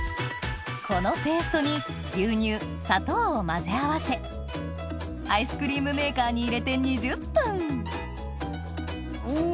このペーストに牛乳砂糖を混ぜ合わせアイスクリームメーカーに入れて２０分うわ！